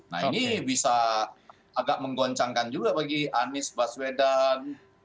nah ini bisa agak menggoncangkan juga bagi anies baswedan